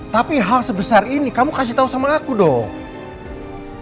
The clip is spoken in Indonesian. tapi hal sebesar ini kamu kasih tahu sama aku dong